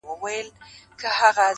د شګوفو د پسرلیو وطن-